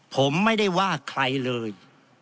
ผมไม่ได้ว่าใครเลย